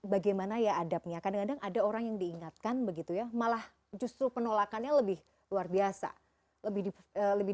bagaimana ya adabnya kadang kadang ada orang yang diingatkan begitu ya malah justru penolakannya lebih luar biasa lebih di lebih